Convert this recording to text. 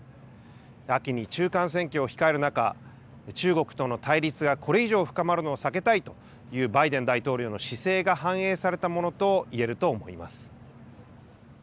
秋に中間選挙を控える中、中国との対立がこれ以上深まるのを避けたいというバイデン大統領の姿勢が反映されたものといえると思います。